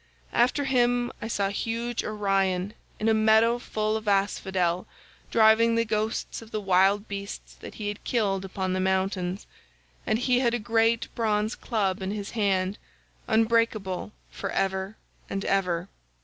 "After him I saw huge Orion in a meadow full of asphodel driving the ghosts of the wild beasts that he had killed upon the mountains, and he had a great bronze club in his hand, unbreakable for ever and ever.